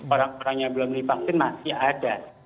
orang orang yang belum di vaksin masih ada